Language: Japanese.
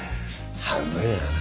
半分やがな。